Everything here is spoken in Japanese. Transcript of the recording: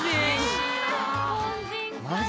マジ？